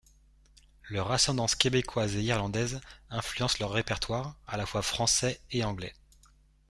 Leur ascendance québécoise et irlandaise influence leur répertoire, à la fois français et anglais.